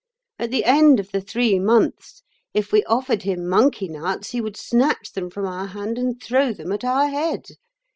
At the end of the three months, if we offered him monkey nuts, he would snatch them from our hand and throw them at our head.